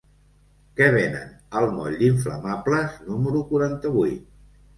Què venen al moll d'Inflamables número quaranta-vuit?